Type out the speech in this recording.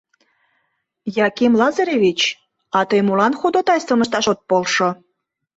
Яким Лазаревич, а тый молан ходатайствым ышташ от полшо?